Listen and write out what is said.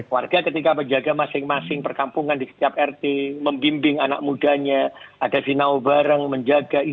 warga ketika menjaga masing masing perkampungan di setiap rt membimbing anak mudanya ada sinau bareng menjaga